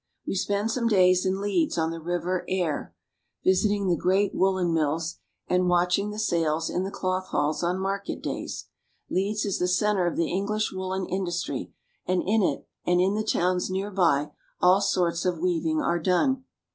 We spend some days in Leeds on the River Aire (ar), visiting the great woolen mills and watching the sales in the cloth halls on market days. Leeds is the center of the English woolen indus { try, and in it and in the towns near by all sorts of weaving" are done.